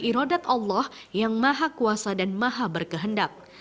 irodat allah yang maha kuasa dan maha berkehendak